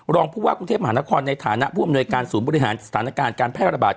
รองผู้ว่ากรุงเทพมหานครในฐานะผู้อำนวยการศูนย์บริหารสถานการณ์การแพร่ระบาด